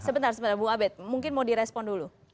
sebentar sebentar bu abed mungkin mau di respon dulu